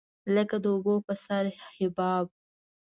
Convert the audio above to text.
لکه د اوبو په سر حباب.